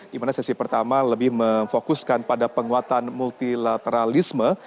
di mana sesi pertama lebih memfokuskan pada penguatan multilateralisme